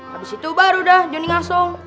habis itu baru dah joni ngasong